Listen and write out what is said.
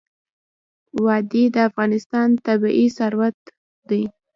وادي د افغانستان طبعي ثروت دی.